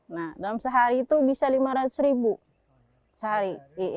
nah dalam sehari itu bisa rp lima ratus sehari